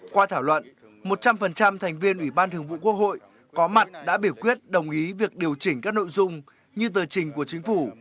qua thảo luận một trăm linh thành viên ủy ban thường vụ quốc hội có mặt đã biểu quyết đồng ý việc điều chỉnh các nội dung như tờ trình của chính phủ